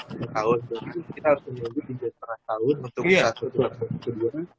berarti itu kita harus menunjukkan tiga lima tahun untuk satu lima tahun kedua